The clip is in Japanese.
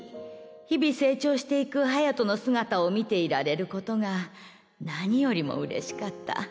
日々成長していく隼の姿を見ていられることが何よりもうれしかった。